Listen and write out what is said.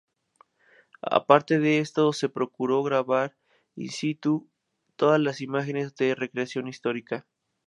Aparte de esto, se procuró grabar "in situ" todas las imágenes de recreación histórica.